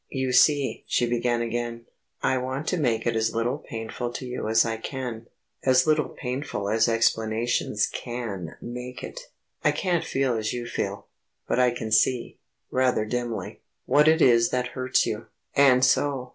"You see," she began again, "I want to make it as little painful to you as I can; as little painful as explanations can make it. I can't feel as you feel, but I can see, rather dimly, what it is that hurts you. And so